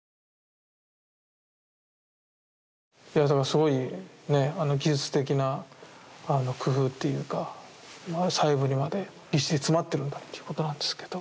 すごいね技術的な工夫っていうか細部にまでぎっしり詰まってるんだっていうことなんですけど。